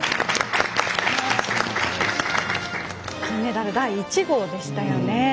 金メダル第１号でしたよね。